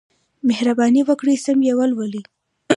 مهرباني وکړئ سم یې ولولئ.